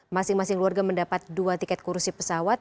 masing masing keluarga mendapat dua tiket kursi pesawat